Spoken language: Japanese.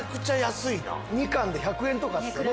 ２貫で１００円とかっすよね